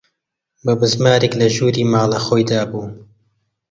بە بزمارێک لە ژووری ماڵە خۆی دابوو